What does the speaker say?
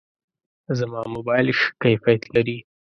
زما موبایل ښه کیفیت لري.